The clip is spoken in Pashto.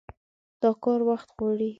دا کار وخت غواړي.